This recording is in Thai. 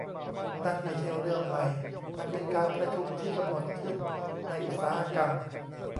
นั่นไม่ใช่เรื่องใหม่มันเป็นการประชุมที่กำหนดขึ้นในอุตสาหกรรม